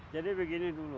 jadi begini dulu